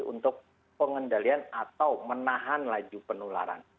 untuk pengendalian atau menahan laju penularan